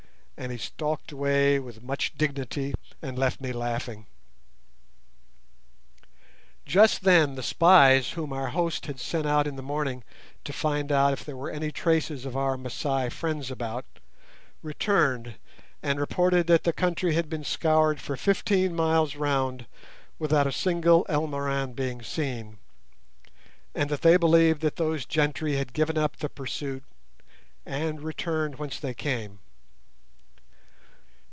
And he stalked away with much dignity, and left me laughing. Just then the spies whom our host had sent out in the morning to find out if there were any traces of our Masai friends about, returned, and reported that the country had been scoured for fifteen miles round without a single Elmoran being seen, and that they believed that those gentry had given up the pursuit and returned whence they came.